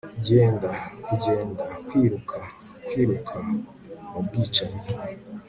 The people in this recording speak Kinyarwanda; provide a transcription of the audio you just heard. genda, kugenda, kwiruka, kwiruka mubwicanyi